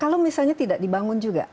kalau misalnya tidak dibangun juga